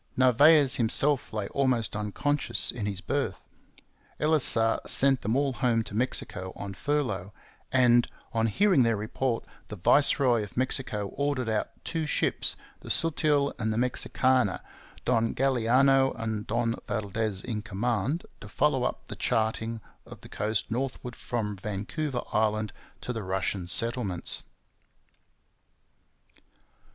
Narvaez himself lay almost unconscious in his berth. Elisa sent them all home to Mexico on furlough; and, on hearing their report, the viceroy of Mexico ordered out two ships, the Sutil and the Mexicana, Don Galiano and Don Valdes in command, to follow up the charting of the coast northward from Vancouver Island to the Russian settlements.